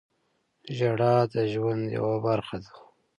• ژړا د ژوند یوه برخه ده.